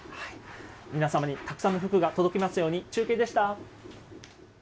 皆様にたくさんの福が届きますように、中継でした。